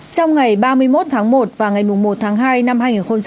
trong ngày ba mươi một tháng một và ngày một tháng hai năm hai nghìn hai mươi